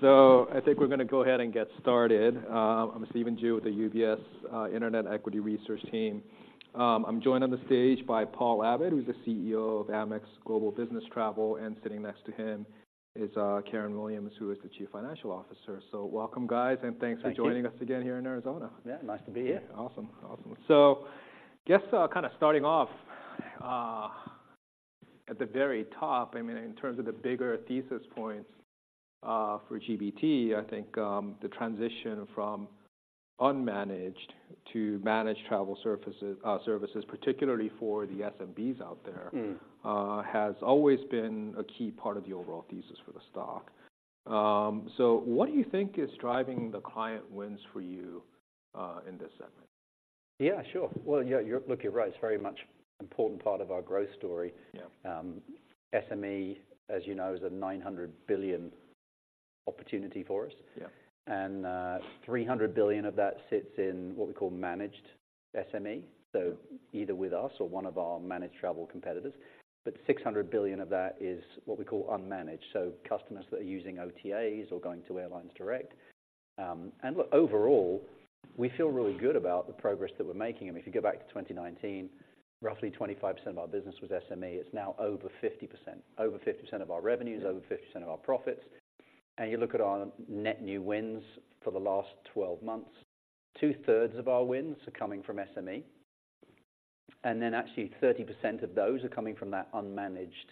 So I think we're gonna go ahead and get started. I'm Stephen Ju with the UBS, Internet Equity Research Team. I'm joined on the stage by Paul Abbott, who's the CEO of Amex Global Business Travel, and sitting next to him is Karen Williams, who is the Chief Financial Officer. So welcome, guys, and thanks- Thank you. for joining us again here in Arizona. Yeah, nice to be here. Yeah. Awesome. Awesome. So guess, kind of starting off, at the very top, I mean, in terms of the bigger thesis points, for GBT, I think, the transition from unmanaged to managed travel services, particularly for the SMBs out there- Mm... has always been a key part of the overall thesis for the stock. So what do you think is driving the client wins for you, in this segment? Yeah, sure. Well, yeah, you're—look, you're right. It's very much important part of our growth story. Yeah. SME, as you know, is a $900 billion opportunity for us. Yeah. And, $300 billion of that sits in what we call managed SME, so either with us or one of our managed travel competitors. But $600 billion of that is what we call unmanaged, so customers that are using OTAs or going to airlines direct. And look, overall, we feel really good about the progress that we're making. I mean, if you go back to 2019, roughly 25% of our business was SME. It's now over 50%. Over 50% of our revenues- Yeah... over 50% of our profits. You look at our net new wins for the last 12 months, 2/3 of our wins are coming from SME. Then actually, 30% of those are coming from that unmanaged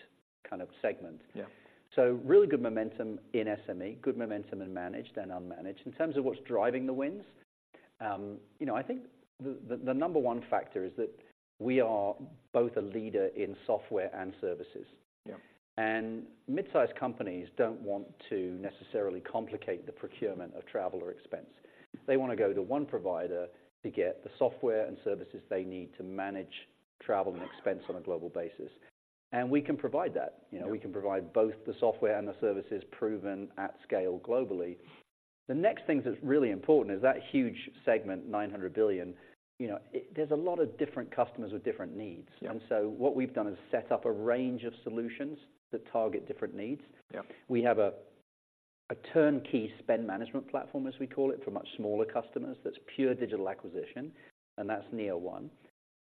kind of segment. Yeah. So really good momentum in SME, good momentum in managed and unmanaged. In terms of what's driving the wins, you know, I think the number one factor is that we are both a leader in software and services. Yeah. Midsize companies don't want to necessarily complicate the procurement of travel or expense. They want to go to one provider to get the software and services they need to manage travel and expense on a global basis, and we can provide that. Yeah. You know, we can provide both the software and the services proven at scale globally. The next thing that's really important is that huge segment, $900 billion, you know, it... There's a lot of different customers with different needs. Yeah. What we've done is set up a range of solutions that target different needs. Yeah. We have a turnkey spend management platform, as we call it, for much smaller customers, that's pure digital acquisition, and that's Neo1.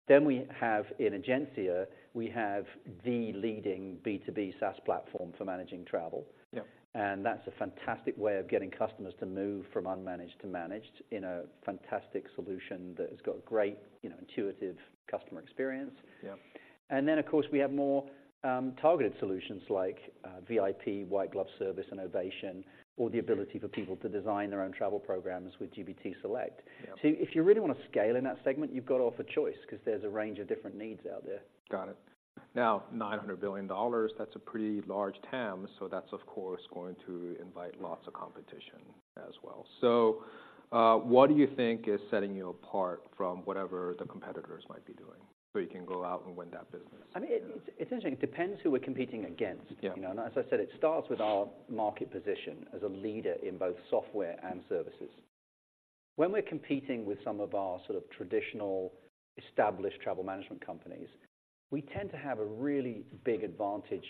Then we have in Egencia, we have the leading B2B SaaS platform for managing travel. Yeah. That's a fantastic way of getting customers to move from unmanaged to managed in a fantastic solution that has got great, you know, intuitive customer experience. Yeah. And then, of course, we have more targeted solutions like VIP, White Glove Service and Ovation- Yeah... or the ability for people to design their own travel programs with GBT Select. Yeah. So if you really want to scale in that segment, you've got to offer choice because there's a range of different needs out there. Got it. Now, $900 billion, that's a pretty large TAM, so that's, of course, going to invite lots of competition as well. So, what do you think is setting you apart from whatever the competitors might be doing, so you can go out and win that business? I mean, it's, it's interesting. It depends who we're competing against. Yeah. You know, and as I said, it starts with our market position as a leader in both software and services. When we're competing with some of our sort of traditional established travel management companies, we tend to have a really big advantage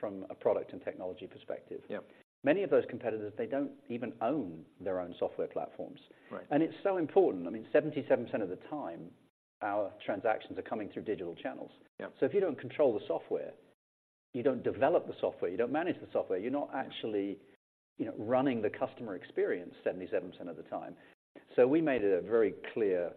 from a product and technology perspective. Yeah. Many of those competitors, they don't even own their own software platforms. Right. It's so important. I mean, 77% of the time, our transactions are coming through digital channels. Yeah. So if you don't control the software, you don't develop the software, you don't manage the software, you're not actually, you know, running the customer experience 77% of the time. So we made it a very clear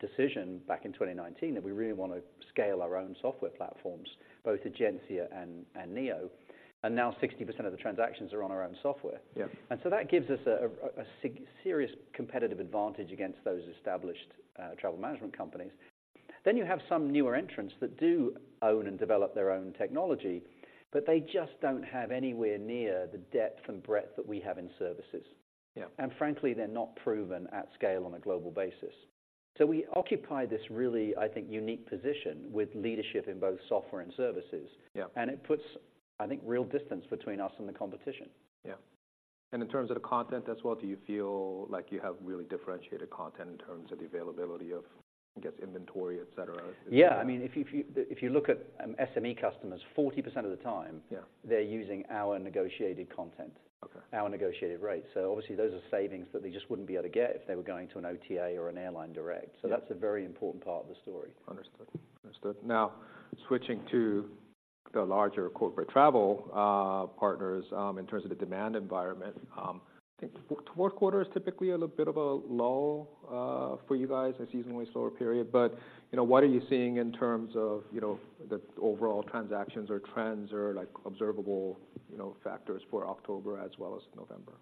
decision back in 2019 that we really want to scale our own software platforms, both Egencia and Neo, and now 60% of the transactions are on our own software. Yeah. So that gives us a serious competitive advantage against those established travel management companies. You have some newer entrants that do own and develop their own technology, but they just don't have anywhere near the depth and breadth that we have in services. Yeah. Frankly, they're not proven at scale on a global basis. We occupy this really, I think, unique position with leadership in both software and services. Yeah. It puts, I think, real distance between us and the competition. Yeah. In terms of the content as well, do you feel like you have really differentiated content in terms of the availability of, I guess, inventory, et cetera? Yeah. I mean, if you look at SME customers, 40% of the time- Yeah... they're using our negotiated content. Okay. Our negotiated rates. Obviously, those are savings that they just wouldn't be able to get if they were going to an OTA or an airline direct. Yeah. That's a very important part of the story. Understood. Understood. Now, switching to the larger corporate travel partners, in terms of the demand environment, I think fourth quarter is typically a little bit of a lull, for you guys, a seasonally slower period. But, you know, what are you seeing in terms of, you know, the overall transactions or trends or like observable, you know, factors for October as well as November?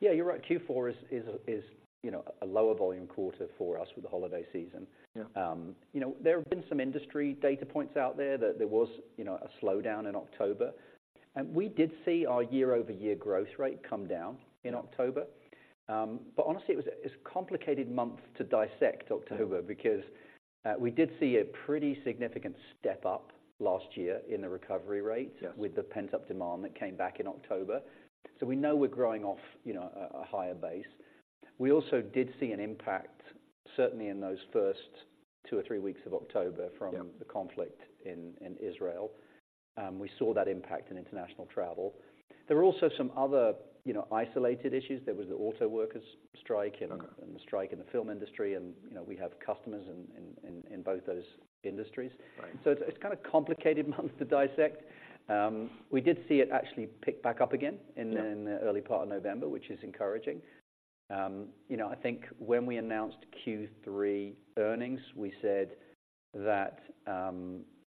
Yeah, you're right. Q4 is, you know, a lower volume quarter for us with the holiday season. Yeah. You know, there have been some industry data points out there that there was, you know, a slowdown in October, and we did see our year-over-year growth rate come down- Yeah... in October. But honestly, it's a complicated month to dissect, October, because we did see a pretty significant step-up last year in the recovery rate. Yes... with the pent-up demand that came back in October. So we know we're growing off, you know, a higher base. We also did see an impact, certainly in those first two or three weeks of October from- Yeah -the conflict in Israel, we saw that impact in international travel. There were also some other, you know, isolated issues. There was the auto workers strike and- Okay and the strike in the film industry, and, you know, we have customers in both those industries. Right. It's kind of a complicated month to dissect. We did see it actually pick back up again- Yeah -in, in the early part of November, which is encouraging. You know, I think when we announced Q3 earnings, we said that,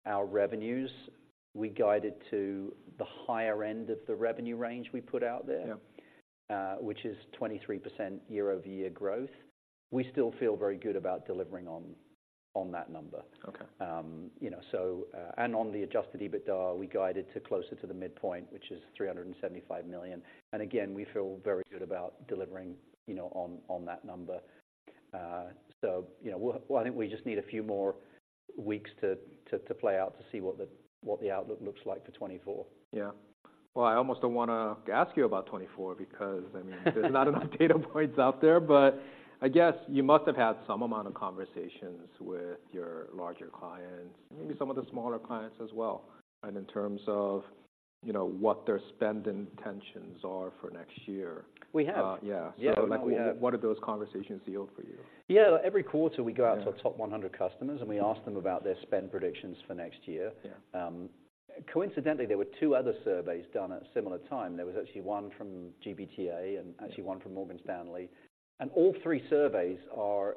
our revenues, we guided to the higher end of the revenue range we put out there. Yeah. Which is 23% year-over-year growth. We still feel very good about delivering on that number. Okay. You know, so on the Adjusted EBITDA, we guided to closer to the midpoint, which is $375 million. And again, we feel very good about delivering, you know, on that number. So, you know, well, I think we just need a few more weeks to play out to see what the outlook looks like for 2024. Yeah. Well, I almost don't wanna ask you about 2024, because, I mean, there's not enough data points out there. But I guess you must have had some amount of conversations with your larger clients- Mm-hmm... maybe some of the smaller clients as well, and in terms of, you know, what their spending intentions are for next year. We have. Uh, yeah. Yeah, we have. So, like, what, what do those conversations yield for you? Yeah, every quarter we go out- Yeah... to our top 100 customers, and we ask them about their spend predictions for next year. Yeah. Coincidentally, there were two other surveys done at a similar time. There was actually one from GBTA and actually one from Morgan Stanley, and all three surveys are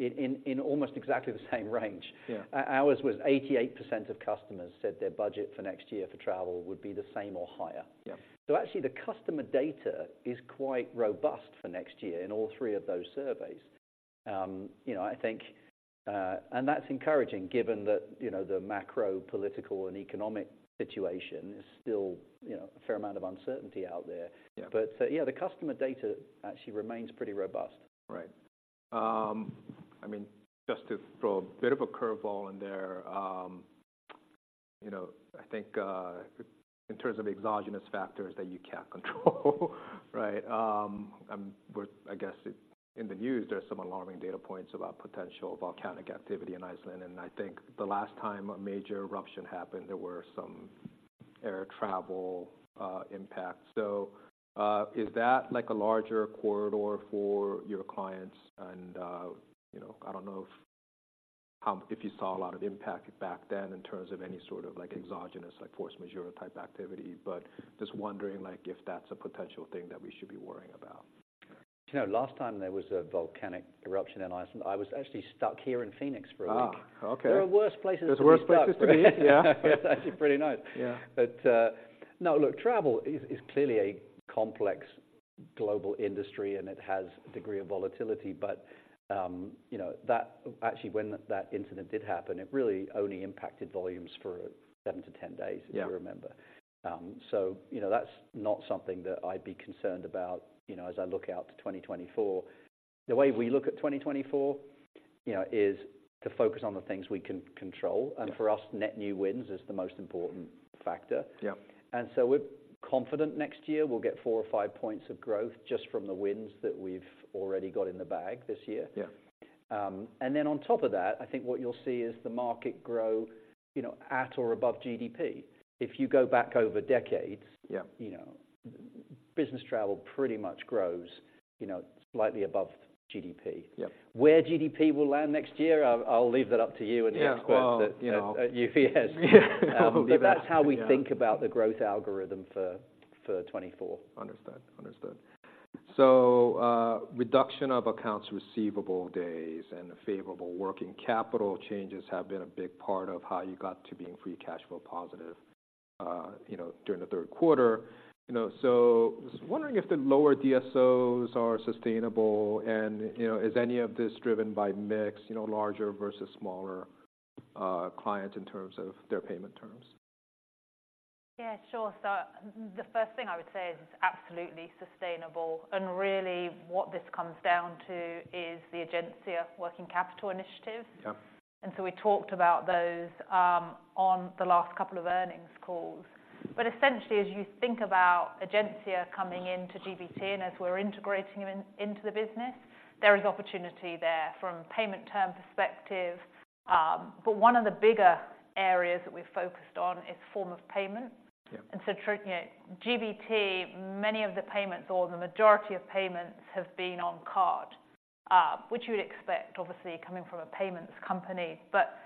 in almost exactly the same range. Yeah. Ours was 88% of customers said their budget for next year for travel would be the same or higher. Yeah. So actually, the customer data is quite robust for next year in all three of those surveys. You know, I think, and that's encouraging, given that, you know, the macro political and economic situation is still, you know, a fair amount of uncertainty out there. Yeah. Yeah, the customer data actually remains pretty robust. Right. I mean, just to throw a bit of a curveball in there, you know, I think, in terms of exogenous factors that you can't control, right? But I guess in the news, there are some alarming data points about potential volcanic activity in Iceland, and I think the last time a major eruption happened, there were some air travel impact. So, is that like a larger corridor for your clients? And, you know, I don't know if you saw a lot of impact back then in terms of any sort of, like exogenous, like force majeure type activity, but just wondering, like, if that's a potential thing that we should be worrying about. You know, last time there was a volcanic eruption in Iceland, I was actually stuck here in Phoenix for a week. Ah, okay. There are worse places to be stuck. There's worse places to be, yeah. It's actually pretty nice. Yeah. But, now, look, travel is clearly a complex global industry, and it has a degree of volatility. But, you know, that, actually, when that incident did happen, it really only impacted volumes for 7-10 days- Yeah... as we remember. So, you know, that's not something that I'd be concerned about, you know, as I look out to 2024. The way we look at 2024, you know, is to focus on the things we can control. Yeah. For us, net new wins is the most important factor. Yeah. We're confident next year we'll get 4 or 5 points of growth just from the wins that we've already got in the bag this year. Yeah. And then on top of that, I think what you'll see is the market grow, you know, at or above GDP. If you go back over decades- Yeah... you know, business travel pretty much grows, you know, slightly above GDP. Yeah. Where GDP will land next year, I'll leave that up to you and the experts- Yeah, well, you know. - at UBS. Yeah. But that's how we- Yeah... think about the growth algorithm for 2024. Understood. Understood. So, reduction of accounts receivable days and the favorable working capital changes have been a big part of how you got to being free cash flow positive, you know, during the third quarter. You know, so I was wondering if the lower DSOs are sustainable and, you know, is any of this driven by mix, you know, larger versus smaller clients in terms of their payment terms? Yeah, sure. The first thing I would say is it's absolutely sustainable, and really what this comes down to is the Egencia working capital initiative. Yeah. We talked about those on the last couple of earnings calls. Essentially, as you think about Egencia coming into GBT and as we're integrating them in, into the business, there is opportunity there from a payment term perspective. One of the bigger areas that we've focused on is form of payment. Yeah. And so, true, you know, GBT, many of the payments or the majority of payments have been on card, which you would expect, obviously, coming from a payments company. But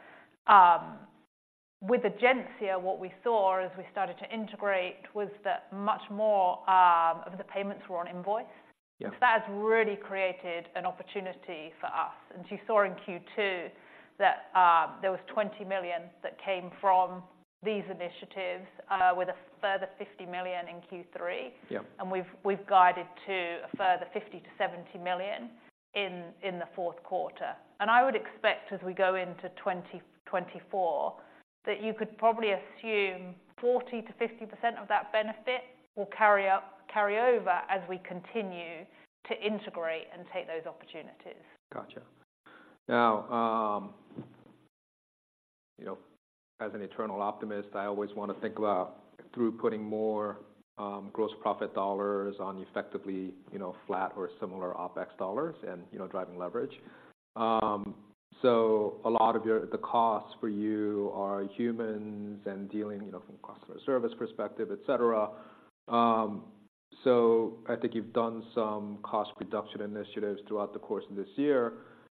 with Egencia, what we saw as we started to integrate, was that much more of the payments were on invoice. Yeah. So that has really created an opportunity for us. You saw in Q2 that there was $20 million that came from these initiatives, with a further $50 million in Q3. Yeah. We've guided to a further $50 million-$70 million in the fourth quarter. I would expect, as we go into 2024, that you could probably assume 40%-50% of that benefit will carry over as we continue to integrate and take those opportunities. Gotcha. Now, you know, as an eternal optimist, I always want to think about through putting more, gross profit dollars on effectively, you know, flat or similar OpEx dollars and, you know, driving leverage. So a lot of the costs for you are humans and dealing, you know, from a customer service perspective, et cetera. So I think you've done some cost reduction initiatives throughout the course of this year.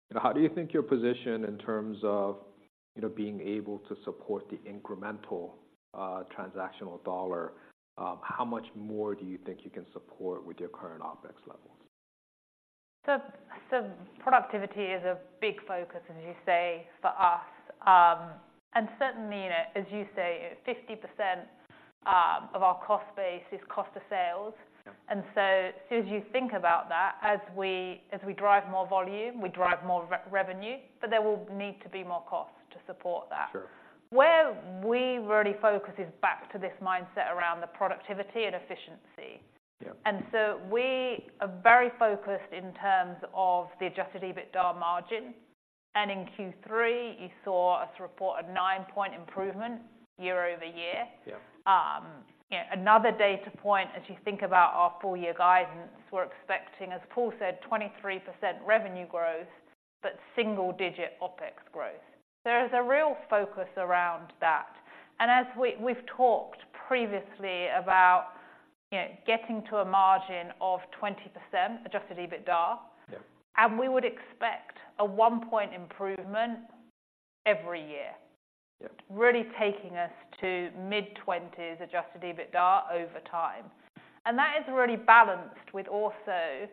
You know, how do you think you're positioned in terms of, you know, being able to support the incremental, transactional dollar? How much more do you think you can support with your current OpEx levels? So, productivity is a big focus, as you say, for us. And certainly, you know, as you say, 50% of our cost base is cost of sales. Yeah. And so as you think about that, as we drive more volume, we drive more revenue, but there will need to be more cost to support that. Sure. Where we really focus is back to this mindset around the productivity and efficiency. Yeah. We are very focused in terms of the Adjusted EBITDA margin. In Q3, you saw us report a 9-point improvement year-over-year. Yeah. You know, another data point as you think about our full-year guidance, we're expecting, as Paul said, 23% revenue growth, but single-digit OpEx growth. There is a real focus around that, and as we've talked previously about, you know, getting to a margin of 20% Adjusted EBITDA. Yeah. We would expect a 1-point improvement every year- Yeah... really taking us to mid-20s Adjusted EBITDA over time. And that is really balanced with also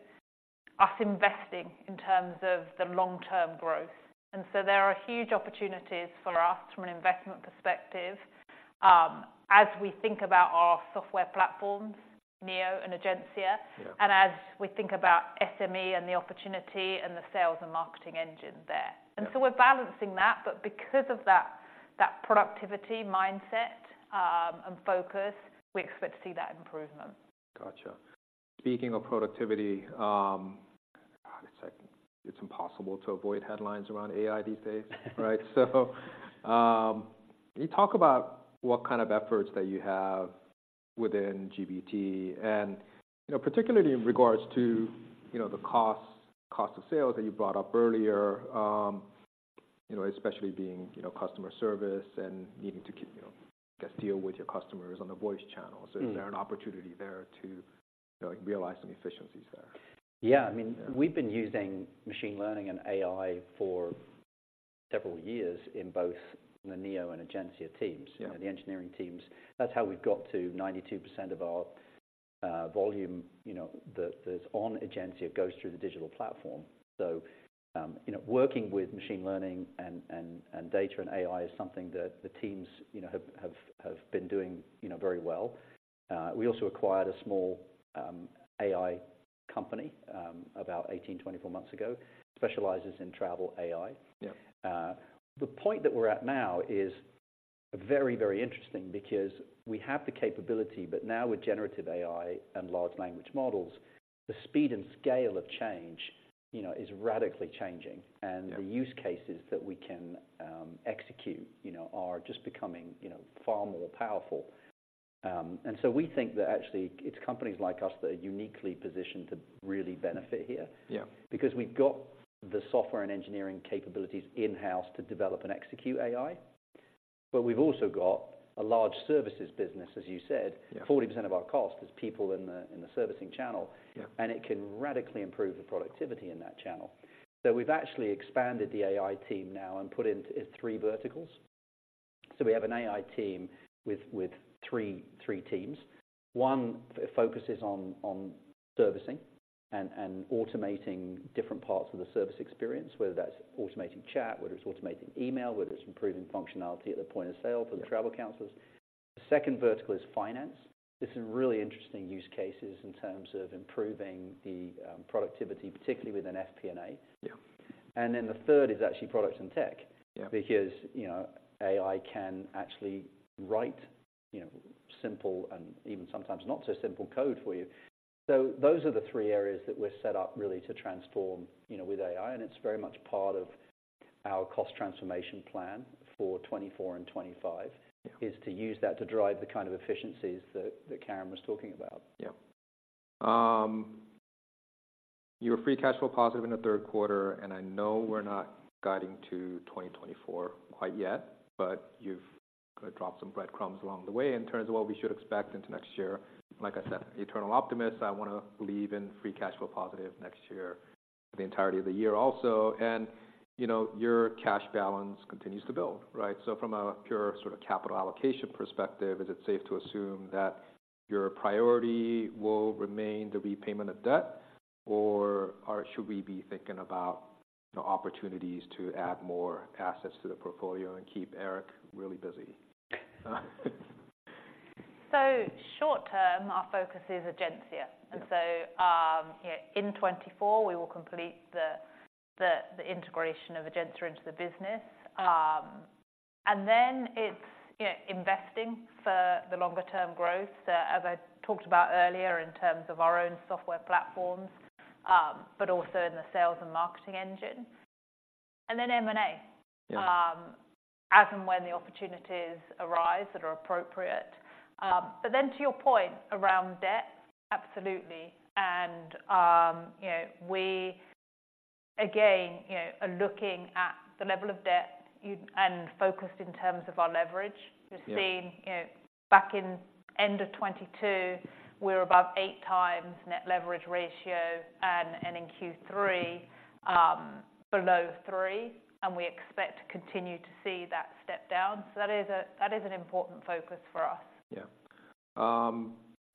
us investing in terms of the long-term growth. And so there are huge opportunities for us from an investment perspective, as we think about our software platforms, Neo and Egencia- Yeah... and as we think about SME and the opportunity and the sales and marketing engine there. Yeah. And so we're balancing that, but because of that, that productivity mindset, and focus, we expect to see that improvement. Gotcha. Speaking of productivity, it's like it's impossible to avoid headlines around AI these days, right? So, can you talk about what kind of efforts that you have within GBT and, you know, particularly in regards to, you know, the costs, cost of sales that you brought up earlier, you know, especially being, you know, customer service and needing to keep, you know, just deal with your customers on the voice channel. So is there an opportunity there to, like, realize some efficiencies there? Yeah. Yeah. I mean, we've been using machine learning and AI for several years in both the Neo and Egencia teams- Yeah... the engineering teams. That's how we've got to 92% of our volume, you know, that, that's on Egencia goes through the digital platform. So, you know, working with machine learning and, and, and data and AI is something that the teams, you know, have, have, have been doing, you know, very well. We also acquired a small AI company about 18-24 months ago, specializes in travel AI. Yeah. The point that we're at now is very, very interesting because we have the capability, but now with generative AI and large language models, the speed and scale of change, you know, is radically changing. Yeah. The use cases that we can execute, you know, are just becoming, you know, far more powerful. And so we think that actually it's companies like us that are uniquely positioned to really benefit here- Yeah... because we've got the software and engineering capabilities in-house to develop and execute AI, but we've also got a large services business, as you said. Yeah. 40% of our cost is people in the servicing channel. Yeah. It can radically improve the productivity in that channel. So we've actually expanded the AI team now and put it into three verticals. So we have an AI team with three teams. One focuses on servicing and automating different parts of the service experience, whether that's automating chat, whether it's automating email, whether it's improving functionality at the point of sale. Yeah... for the travel counselors. The second vertical is finance. There's some really interesting use cases in terms of improving the, productivity, particularly within FP&A. Yeah. And then the third is actually product and tech- Yeah... because, you know, AI can actually write, you know, simple and even sometimes not so simple code for you. So those are the three areas that we're set up really to transform, you know, with AI, and it's very much part of our cost transformation plan for 2024 and 2025- Yeah... is to use that to drive the kind of efficiencies that Karen was talking about. Yeah. You were free cash flow positive in the third quarter, and I know we're not guiding to 2024 quite yet, but you've dropped some breadcrumbs along the way in terms of what we should expect into next year. Like I said, eternal optimist, I wanna believe in free cash flow positive next year, for the entirety of the year also. And, you know, your cash balance continues to build, right? So from a pure sort of capital allocation perspective, is it safe to assume that your priority will remain the repayment of debt, or should we be thinking about the opportunities to add more assets to the portfolio and keep Eric really busy? Short term, our focus is Egencia. Yeah. So, in 2024, we will complete the integration of Egencia into the business. And then, you know, investing for the longer-term growth, as I talked about earlier, in terms of our own software platforms, but also in the sales and marketing engine. And then M&A. Yeah. As and when the opportunities arise that are appropriate. But then to your point around debt, absolutely. And, you know, we again, you know, are looking at the level of debt you-- and focused in terms of our leverage. Yeah. You've seen, you know, back in end of 2022, we're above 8x Net Leverage Ratio, and, and in Q3, below 3, and we expect to continue to see that step down. So that is a, that is an important focus for us. Yeah. I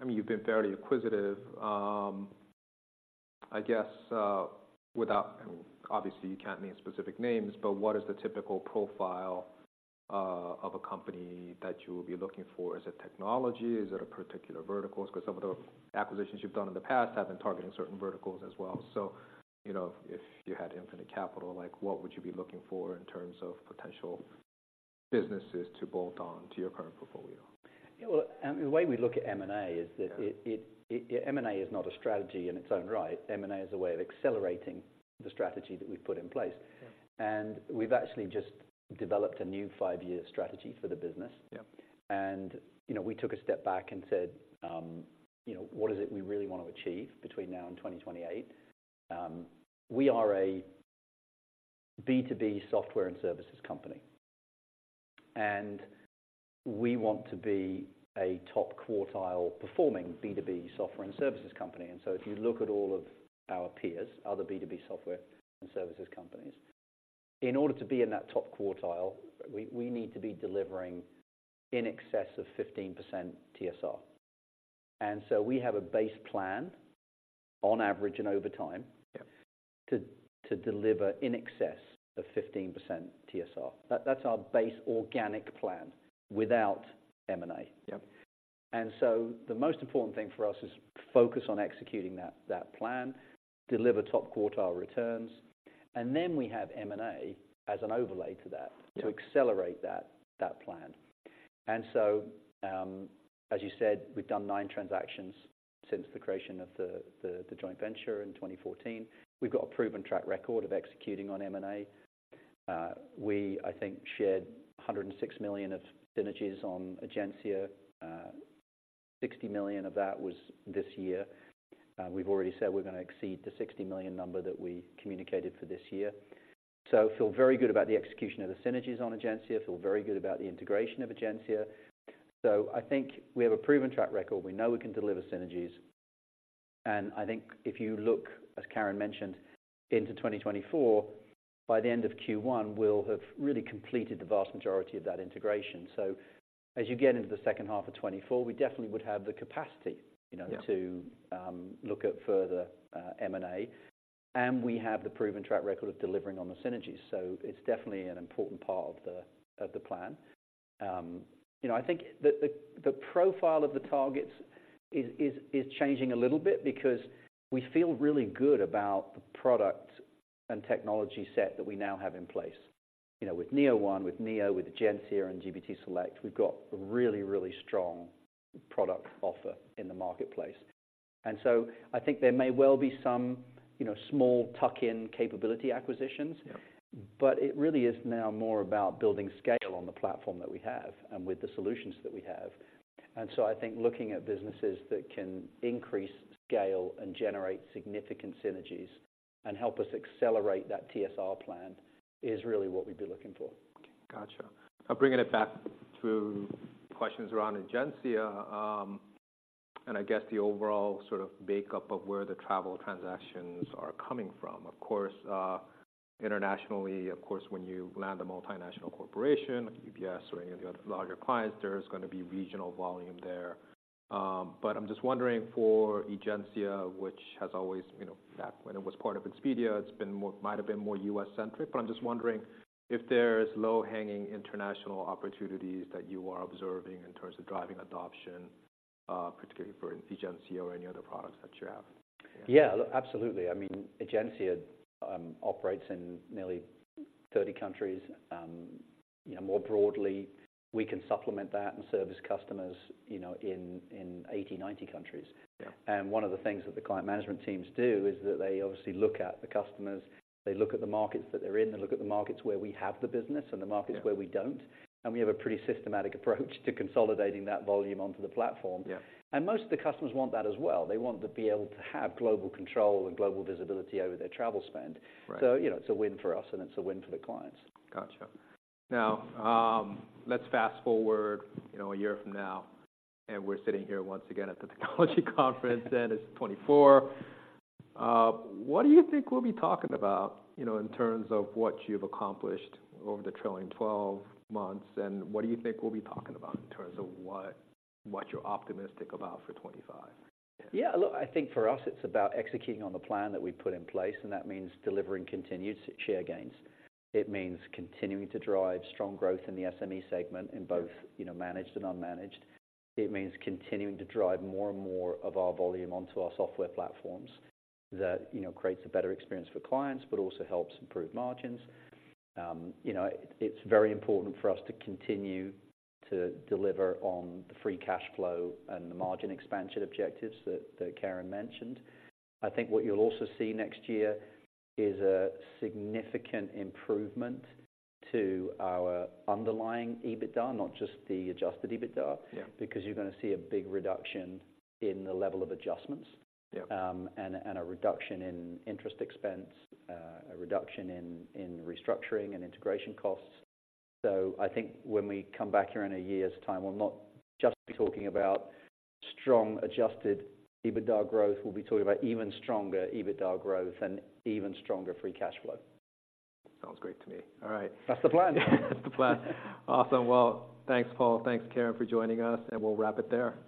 mean, you've been fairly acquisitive. I guess, without... Obviously, you can't name specific names, but what is the typical profile of a company that you will be looking for? Is it technology? Is it a particular vertical? Because some of the acquisitions you've done in the past have been targeting certain verticals as well. So, you know, if you had infinite capital, like, what would you be looking for in terms of potential businesses to bolt on to your current portfolio? Yeah, well, the way we look at M&A is that- Yeah M&A is not a strategy in its own right. M&A is a way of accelerating the strategy that we've put in place. Yeah. We've actually just developed a new five-year strategy for the business. Yeah. You know, we took a step back and said, you know, "What is it we really want to achieve between now and 2028?" We are a B2B software and services company, and we want to be a top quartile performing B2B software and services company. And so if you look at all of our peers, other B2B software and services companies, in order to be in that top quartile, we need to be delivering in excess of 15% TSR. And so we have a base plan on average and over time- Yeah... to deliver in excess of 15% TSR. That's our base organic plan without M&A. Yeah. So the most important thing for us is focus on executing that plan, deliver top quartile returns, and then we have M&A as an overlay to that. Yeah to accelerate that plan. So, as you said, we've done 9 transactions since the creation of the joint venture in 2014. We've got a proven track record of executing on M&A. We, I think, shared $106 million of synergies on Egencia. $60 million of that was this year. We've already said we're gonna exceed the $60 million number that we communicated for this year. So feel very good about the execution of the synergies on Egencia. Feel very good about the integration of Egencia. So I think we have a proven track record. We know we can deliver synergies, and I think if you look, as Karen mentioned, into 2024, by the end of Q1, we'll have really completed the vast majority of that integration. As you get into the second half of 2024, we definitely would have the capacity, you know- Yeah... to look at further M&A, and we have the proven track record of delivering on the synergies. So it's definitely an important part of the plan. You know, I think the profile of the targets is changing a little bit because we feel really good about the product and technology set that we now have in place. You know, with Neo1, with Neo, with Egencia and GBT Select, we've got a really, really strong product offer in the marketplace. And so I think there may well be some, you know, small tuck-in capability acquisitions- Yeah... but it really is now more about building scale on the platform that we have and with the solutions that we have. And so I think looking at businesses that can increase scale and generate significant synergies and help us accelerate that TSR plan is really what we'd be looking for. Gotcha. Now, bringing it back to questions around Egencia, and I guess the overall sort of makeup of where the travel transactions are coming from. Of course, internationally, of course, when you land a multinational corporation, like UBS or any of the other larger clients, there is gonna be regional volume there. But I'm just wondering, for Egencia, which has always, you know, back when it was part of Expedia, it's been more, might have been more U.S.-centric, but I'm just wondering if there's low-hanging international opportunities that you are observing in terms of driving adoption, particularly for Egencia or any other products that you have? Yeah, look, absolutely. I mean, Egencia operates in nearly 30 countries. You know, more broadly, we can supplement that and service customers, you know, in 80-90 countries. Yeah. One of the things that the client management teams do is that they obviously look at the customers, they look at the markets that they're in, they look at the markets where we have the business- Yeah... and the markets where we don't, and we have a pretty systematic approach to consolidating that volume onto the platform. Yeah. Most of the customers want that as well. They want to be able to have global control and global visibility over their travel spend. Right. you know, it's a win for us, and it's a win for the clients. Gotcha. Now, let's fast-forward, you know, a year from now, and we're sitting here once again at the technology conference, and it's 2024. What do you think we'll be talking about, you know, in terms of what you've accomplished over the trailing twelve months, and what do you think we'll be talking about in terms of what, what you're optimistic about for 2025? Yeah, look, I think for us, it's about executing on the plan that we've put in place, and that means delivering continued share gains. It means continuing to drive strong growth in the SME segment- Yeah... in both, you know, managed and unmanaged. It means continuing to drive more and more of our volume onto our software platforms that, you know, creates a better experience for clients but also helps improve margins. You know, it, it's very important for us to continue to deliver on the free cash flow and the margin expansion objectives that, that Karen mentioned. I think what you'll also see next year is a significant improvement to our Underlying EBITDA, not just the Adjusted EBITDA- Yeah... because you're gonna see a big reduction in the level of adjustments- Yeah... and a reduction in interest expense, a reduction in restructuring and integration costs. So I think when we come back here in a year's time, we'll not just be talking about strong, adjusted EBITDA growth. We'll be talking about even stronger EBITDA growth and even stronger free cash flow. Sounds great to me. All right. That's the plan. That's the plan. Awesome. Well, thanks, Paul, thanks, Karen, for joining us, and we'll wrap it there.